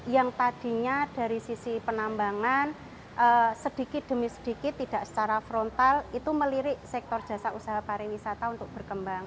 yang tadinya dari sisi penambangan sedikit demi sedikit tidak secara frontal itu melirik sektor jasa usaha pariwisata untuk berkembang